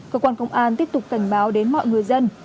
cơ quan công an tiếp tục cảnh báo đến mọi người dân